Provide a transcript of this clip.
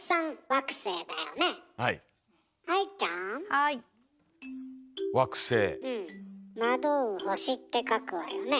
「惑う星」って書くわよね。